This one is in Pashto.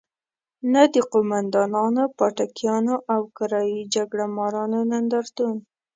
نه د قوماندانانو، پاټکیانو او کرايي جګړه مارانو نندارتون.